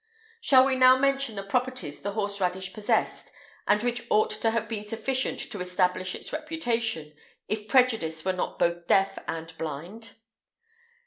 [IX 178] Shall we now mention the properties the horse radish possessed, and which ought to have been sufficient to establish its reputation, if prejudice were not both deaf and blind?